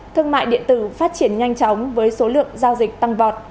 thương mại điện tử phát triển nhanh chóng với số lượng giao dịch tăng vọt